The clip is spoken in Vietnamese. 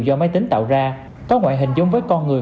do máy tính tạo ra có ngoại hình giống với con người